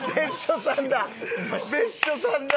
別所さんだ！